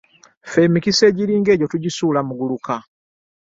Ffe emikisa ejiringa egyo tujisuula muguluka .